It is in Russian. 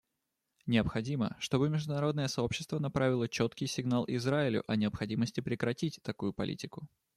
Необходимо, чтобы международное сообщество направило четкий сигнал Израилю о необходимости прекратить такую политику.